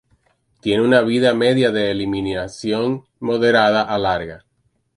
Tiene una vida media de eliminación moderada a larga.